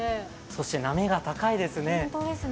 そして波が高いですね。